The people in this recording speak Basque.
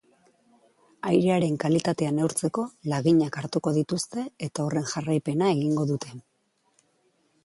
Airearen kalitatea neurtzeko laginak hartuko dituzte eta horren jarraipena egingo dute.